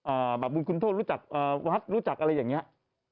บาปบุญคุณโทษรู้จักเอ่อวัดรู้จักอะไรอย่างเงี้ย